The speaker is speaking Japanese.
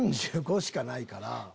３５しかないから。